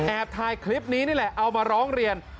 ถ่ายคลิปนี้นี่แหละเอามาร้องเรียน